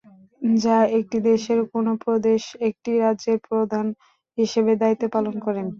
যা একটি দেশের কোন প্রদেশ একটি রাজ্যের প্রধান হিসেবে দায়িত্ব পালন করেন।